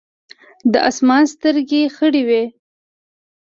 د اسمان سترګې خړې وې ـ